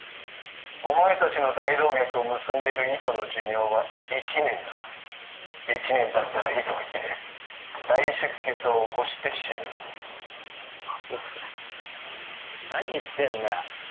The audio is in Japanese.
お前達の大動脈を結んでる糸の寿命は一年だ一年たったら糸は切れ大出血を起こして死ぬ何だそれ何言ってんだよ